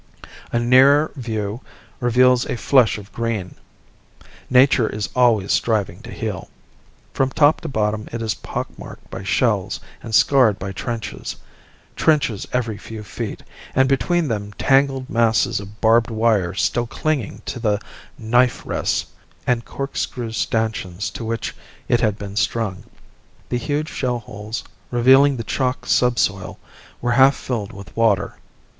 A nearer view reveals a flush of green; nature is already striving to heal. From top to bottom it is pockmarked by shells and scarred by trenches trenches every few feet, and between them tangled masses of barbed wire still clinging to the "knife rests" and corkscrew stanchions to which it had been strung. The huge shell holes, revealing the chalk subsoil, were half filled with water.